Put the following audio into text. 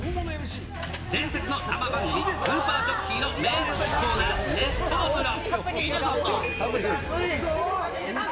伝説の生番組、スーパージョッキーの名物コーナー、熱湯風呂。